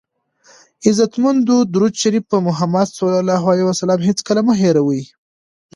عزتمندو درود شریف په محمد ص هېڅکله مه هیروئ!